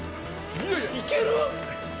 いける？